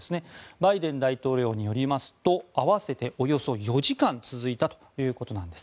バイデン大統領によりますと合わせておよそ４時間続いたということなんです。